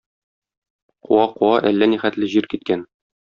Куа-куа әллә нихәтле җир киткән.